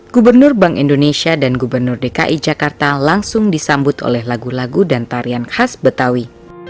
gubernur bank indonesia dan gubernur dki jakarta langsung disambut oleh lagu lagu dan tarian khas betawi